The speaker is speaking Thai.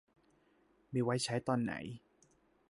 มีไว้ใช้ตอนไหน